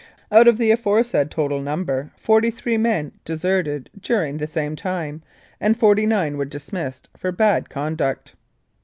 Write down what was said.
Out of the aforesaid total num ber, 43 men deserted during the same time, and 49 were dismissed for bad conduct.